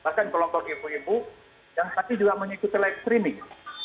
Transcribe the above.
bahkan kelompok ibu ibu yang tadi juga mengikuti live streaming